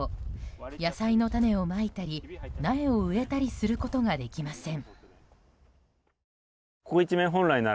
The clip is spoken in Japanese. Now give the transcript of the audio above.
野菜の種をまいたり苗を植えたりすることができません。